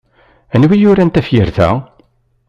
Anwa i yuran tafyirt a?